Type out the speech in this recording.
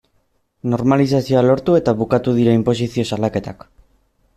Normalizazioa lortu eta bukatu dira inposizio salaketak.